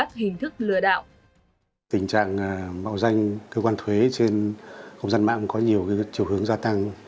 tình trạng bạo danh cơ quan thuế trên công dân mạng có nhiều chiều hướng gia tăng